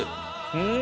うん！